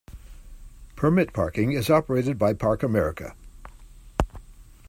Permit parking is operated by ParkAmerica.